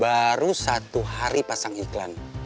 baru satu hari pasang iklan